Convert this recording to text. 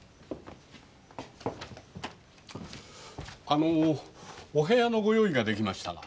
あのお部屋のご用意ができましたが。